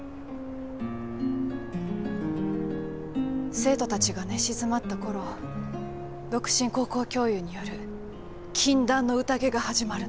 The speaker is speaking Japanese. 生徒たちが寝静まったころ独身高校教諭による禁断の宴が始まるの。